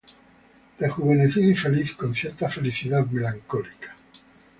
rejuvenecido y feliz, con cierta felicidad melancólica